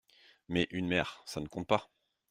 Mais, une mère, ça ne compte pas.